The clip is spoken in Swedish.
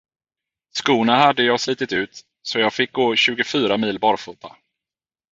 Skorna hade jag slitit ut, så att jag fick gå tjugofyra mil barfota.